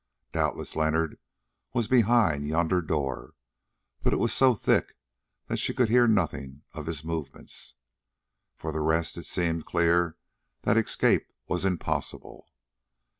Doubtless Leonard was behind yonder door, but it was so thick that she could hear nothing of his movements. For the rest, it seemed clear that escape was impossible.